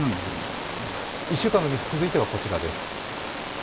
１週間のニュース、続いてはこちらです。